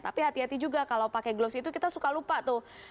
tapi hati hati juga kalau pakai glos itu kita suka lupa tuh